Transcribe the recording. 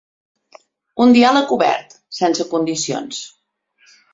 Un diàleg obert, sense condicions.